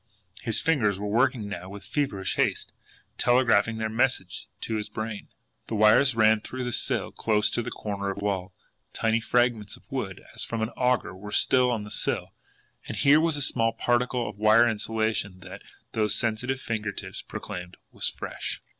His fingers were working now with feverish haste, telegraphing their message to his brain. The wires ran through the sill close to the corner of the wall tiny fragments of wood, as from an auger, were still on the sill and here was a small particle of wire insulation that, those sensitive finger tips proclaimed, was FRESH.